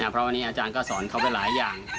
เพราะวันนี้อาจารย์ก็สอนเขาไปหลายอย่าง